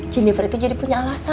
jennifer itu jadi punya alasan